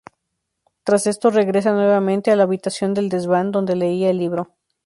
Tras esto regresa nuevamente a la habitación del desván donde leía el libro.